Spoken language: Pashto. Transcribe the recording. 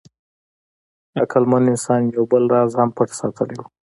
عقلمن انسان یو بل راز هم پټ ساتلی و.